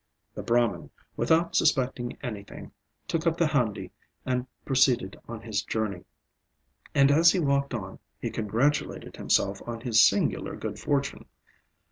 The Brahman, without suspecting anything, took up the handi and proceeded on his journey; and as he walked on, he congratulated himself on his singular good fortune.